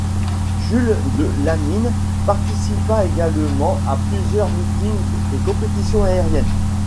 Jules de Laminne participa également à plusieurs meetings et compétitions aériennes.